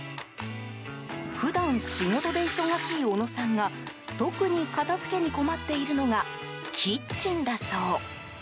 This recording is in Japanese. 普段、仕事で忙しい小野さんが特に片付けに困っているのがキッチンだそう。